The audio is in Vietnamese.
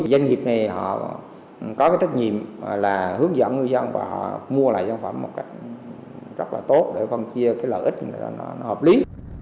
doanh nghiệp này họ có trách nhiệm là hướng dẫn người dân và họ mua lại dân phẩm một cách rất là tốt để phân chia lợi ích hợp lý